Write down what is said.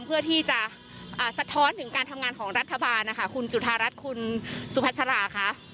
เพื่อที่จะสะท้อนถึงการทำงานของรัฐบาลนะคะคุณจุธารัฐคุณสุพัชราค่ะ